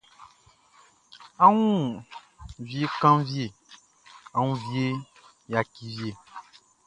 A wun vie kanvie a woun vie yaki vie.